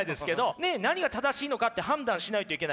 ねっ何が正しいのかって判断しないといけない。